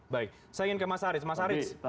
baik saya ingin ke mas haris mas haris